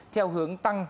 theo hướng tăng